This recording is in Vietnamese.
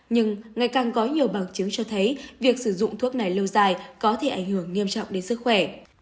nhưng ngày càng có nhiều bằng chứng cho thấy việc sử dụng thuốc này lâu dài có thể ảnh hưởng nghiêm trọng đến sức khỏe